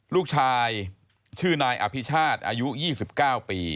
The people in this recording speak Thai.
ลูกชายชื่อนายอภิชาติอายุ๒๙ปี